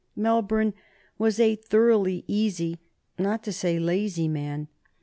Melbourne was a thoroughly easy, not to say lazy, man.